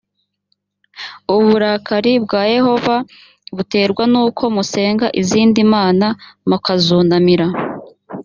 uburakari bwa yehova buterwa n’uko musenga izindi mana mukazunamira